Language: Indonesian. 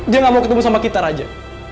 dia gak mau ketemu sama kita raja